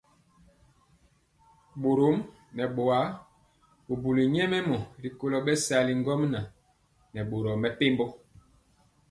Borɔm nɛ bɔa bubuli nyɛmemɔ rikolo bɛsali ŋgomnaŋ nɛ boro mepempɔ.